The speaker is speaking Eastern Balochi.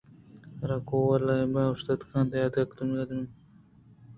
درٛہ کور ءِ لمب ءَ اوشتوک اِتنت ءُ یکّ ءُ دومی ءِ دلاں چنگ ءُلاپ ءَ دئیگ ءَ اِتنت